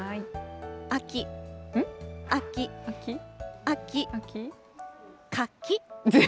秋、秋、秋、柿。